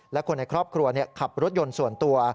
และคนในครอบครัวขับรถยนต์ส่วนตัว